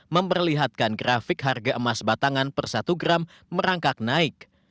memperlihatkan grafik harga emas batangan per satu gram merangkak naik